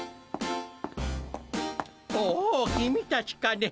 おお君たちかね？